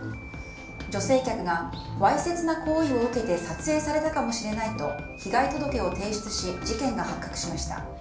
女性客がわいせつな行為を受けて撮影されたかもしれないと被害届を提出し事件が発覚しました。